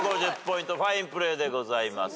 ファインプレーでございます。